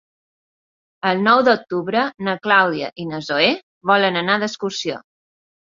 El nou d'octubre na Clàudia i na Zoè volen anar d'excursió.